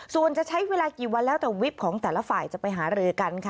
ส่วนจะใช้เวลากี่วันแล้วแต่วิบของแต่ละฝ่ายจะไปหารือกันค่ะ